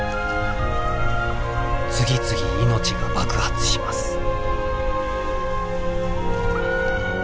次々命が爆発します。